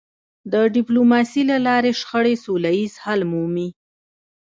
د ډيپلوماسی له لارې شخړې سوله ییز حل مومي.